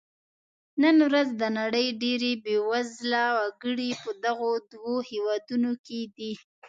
نن ورځ د نړۍ ډېری بېوزله وګړي په دغو دوو هېوادونو کې دي.